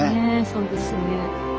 そうですね。